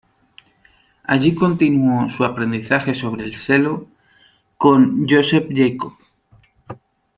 Allí continuó su aprendizaje sobre el cello con Joseph Jacob.